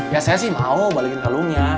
ya saya sih mau balikin kalungnya